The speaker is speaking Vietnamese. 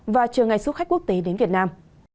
và chờ ngày xuất khách quốc tế đến việt nam